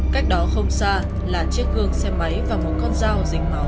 cách đó không xa là chiếc gương xe máy và một con dao dính máu